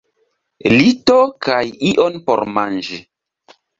Lito kaj ion por manĝi.